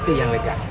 itu yang lega